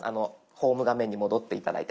ホーム画面に戻って頂いて。